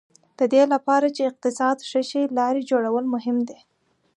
د دې لپاره چې اقتصاد ښه شي لارې جوړول مهم دي.